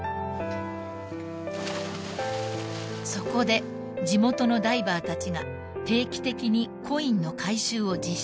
［そこで地元のダイバーたちが定期的にコインの回収を実施］